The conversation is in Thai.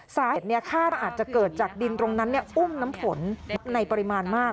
สาเหตุคาดว่าอาจจะเกิดจากดินตรงนั้นอุ้มน้ำฝนในปริมาณมาก